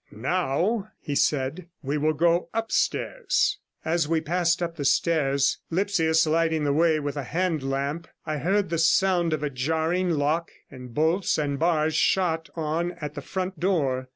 'Now,' he said, 'we will go upstairs.' As we passed up the stairs, Lipsius lighting the way with a hand lamp, I heard the sound of a jarring lock and bolts and bars shot on at the front door.